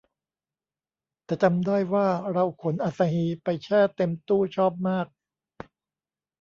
แต่จำได้ว่าเราขนอาซาฮีไปแช่เต็มตู้ชอบมาก